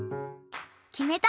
きめた！